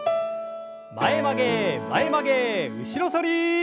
前曲げ前曲げ後ろ反り。